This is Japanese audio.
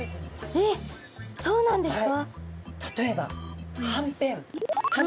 えそうなんですね。